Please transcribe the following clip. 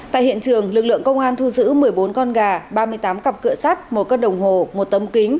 tại hiện trường lực lượng công an thu giữ một mươi bốn con gà ba mươi tám cặp cửa sắt một cân đồng hồ một tấm kim